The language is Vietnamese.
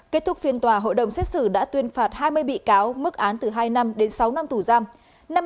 kết thúc phiên tòa hội đồng xét xử đã tuyên phạt hai mươi bị cáo mức án từ hai năm đến sáu năm tù giam